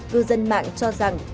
cư dân mạng cho rằng